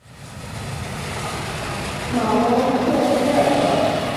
马罗克弗尔德。